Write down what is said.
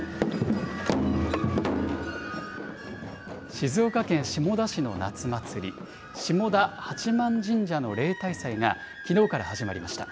静岡県下田市の夏祭り、下田八幡神社の例大祭が、きのうから始まりました。